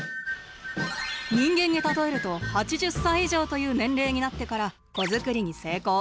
人間に例えると８０歳以上という年齢になってから子づくりに成功。